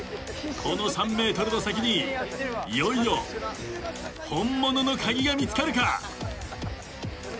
この３ｍの先にいよいよ本物の鍵が見つかるか？